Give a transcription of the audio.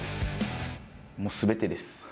もうすべてです。